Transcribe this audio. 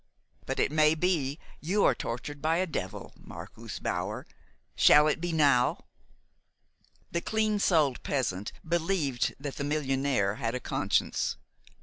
But it may be that you are tortured by a devil, Marcus Bauer. Shall it be now?" The clean souled peasant believed that the millionaire had a conscience.